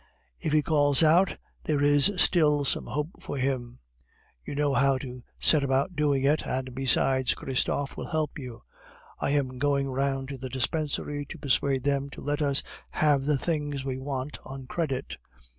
If he calls out, there is still some hope for him. You know how to set about doing it, and besides, Christophe will help you. I am going round to the dispensary to persuade them to let us have the things we want on credit.